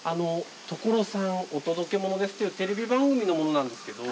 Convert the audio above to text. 『所さんお届けモノです！』というテレビ番組の者なんですけど。